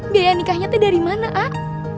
biaya nikahnya tuh dari mana ah